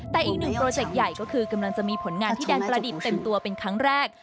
แต่อีกหนึ่งโปรเจกต์ใหญ่ก็คือกำลังจะมีผลงานที่แดนประดิษฐ์เต็มตัวเป็นครั้งแรก